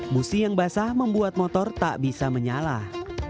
musi yang basah membuat motor tak bisa menyalah